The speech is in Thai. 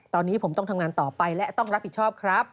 ตอนนี้ผมต้องทำงานต่อไปและต้องรับผิดชอบครับ